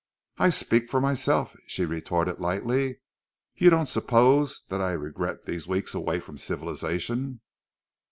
"I speak for myself," she retorted lightly. "You don't suppose that I regret these weeks away from civilization.